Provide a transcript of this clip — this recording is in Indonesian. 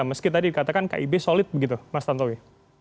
meski tadi dikatakan kib solid begitu mas tantowi